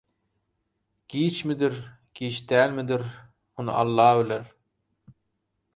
Giçmidir, giç dälmidir – muny Alla biler